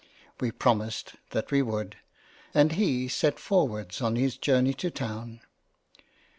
We promised that we would, and he set forwards on his journey to Town.